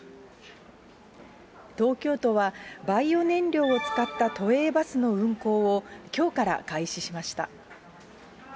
東京都はバイオ燃料を使った都営バスの運行を、きょうから開始しました。